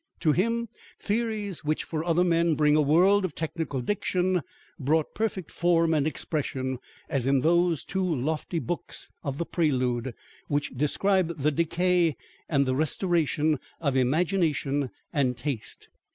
To him, theories which for other men bring a world of technical diction, brought perfect form and expression, as in those two lofty books of The Prelude, which describe the decay and the restoration of Imagination and Taste.